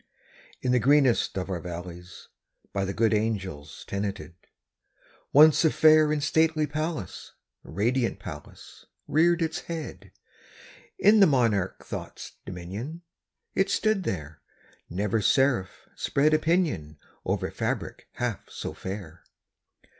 In the greenest of our valleys By good angels tenanted, Once a fair and stately palace Radiant palace reared its head. In the monarch Thought's dominion It stood there! Never seraph spread a pinion Over fabric half so fair!